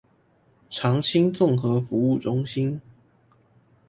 長青綜合服務中心